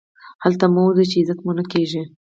هلته مه ورځئ، چي عزت مو نه کېږي.